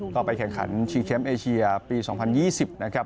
ก็ไปแข่งขันชิงแชมป์เอเชียปี๒๐๒๐นะครับ